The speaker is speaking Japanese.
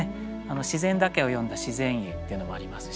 自然だけを詠んだ「自然詠」っていうのもありますし。